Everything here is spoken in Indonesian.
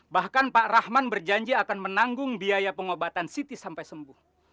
bahkan pak rahman berjanji akan menanggung biaya pengobatan siti sampai sembuh